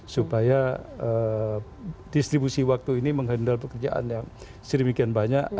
supaya distribusi waktu ini menghendal pekerjaan yang sering mikian banyak